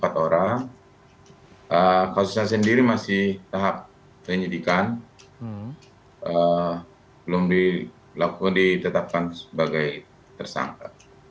karena kasusnya sendiri masih tahap penyelidikan belum dilakukan ditetapkan sebagai tersangka